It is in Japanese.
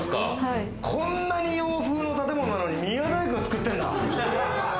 こんなに洋風の建物なのに、宮大工が作ってんだ。